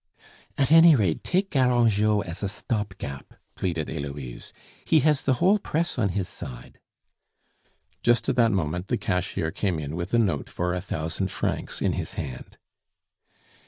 "At any rate, take Garangeot as a stop gap!" pleaded Heloise. "He has the whole press on his side " Just at that moment the cashier came in with a note for a thousand francs in his hand.